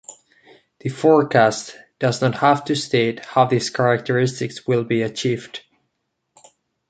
The forecast does not have to state how these characteristics will be achieved.